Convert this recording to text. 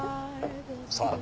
さあ？